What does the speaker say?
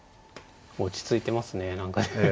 落ち着いてますね何かね。